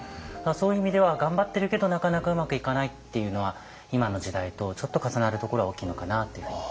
そういう意味では頑張ってるけどなかなかうまくいかないっていうのは今の時代とちょっと重なるところが大きいのかなというふうに。